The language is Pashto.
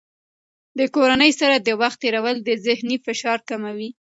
د کورنۍ سره د وخت تېرول د ذهني فشار کموي.